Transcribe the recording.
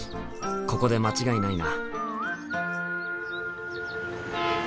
ここで間違いないな。